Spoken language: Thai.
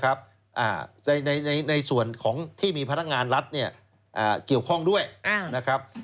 ในส่วนของที่มีพนักงานรัฐเนี่ยเกี่ยวข้องด้วยนะครับ